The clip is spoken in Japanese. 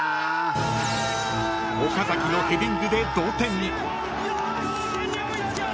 ［岡崎のヘディングで同点に］